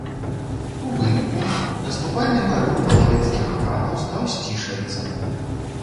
У выніку наступальны парыў палавецкіх ханаў стаў сцішвацца.